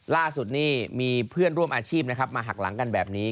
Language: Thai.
ล่าสุดนี่มีเพื่อนร่วมอาชีพนะครับมาหักหลังกันแบบนี้